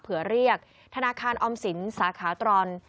เรียกธนาคารออมสินสาขาตรอน